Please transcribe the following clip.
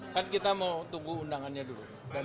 kan kita mau tunggu undangannya dulu